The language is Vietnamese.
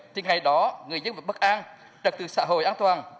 thì ngày đó người dân vẫn bất an trật tự xã hội an toàn